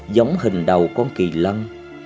giống hình đầu con kỳ lân